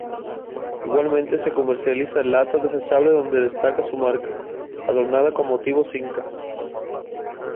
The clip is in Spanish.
Igualmente, se comercializa en latas desechables donde destaca su marca, adornada con motivos incas.